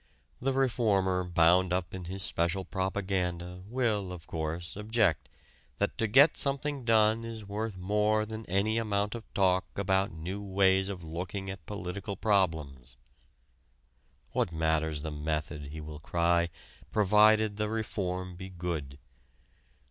The reformer bound up in his special propaganda will, of course, object that "to get something done is worth more than any amount of talk about new ways of looking at political problems." What matters the method, he will cry, provided the reform be good?